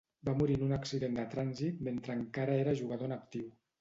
Va morir en un accident de trànsit mentre encara era jugador en actiu.